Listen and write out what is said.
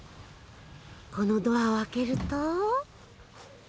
このドアを開けると。